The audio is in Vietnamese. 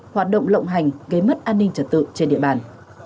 hoạt động lộng hành gây mất an ninh trật tự trên địa bàn